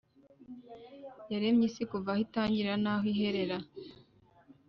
yaremye isi kuva aho itangirira n’aho iherera.